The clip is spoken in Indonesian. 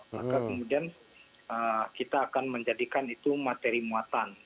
maka kemudian kita akan menjadikan itu materi muatan